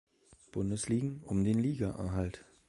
Bundesligen um den Ligaerhalt.